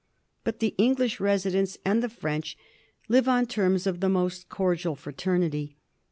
But the English residents and the French live on terms of the most cordial fraternity.